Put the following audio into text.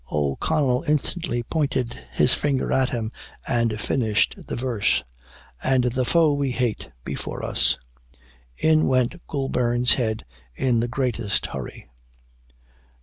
O'Connell instantly pointed his finger at him, and finished the verse "And the foe we hate before us!" In went Goulburn's head in the greatest hurry.